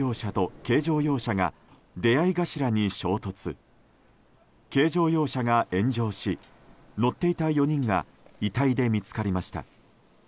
軽乗用車が炎上し乗っていた４人が遺体で見つかりました。